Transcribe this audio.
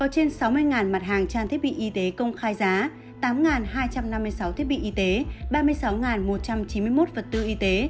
có trên sáu mươi mặt hàng trang thiết bị y tế công khai giá tám hai trăm năm mươi sáu thiết bị y tế